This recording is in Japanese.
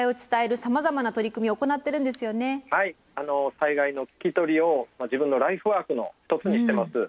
災害の聞き取りを自分のライフワークの一つにしてます。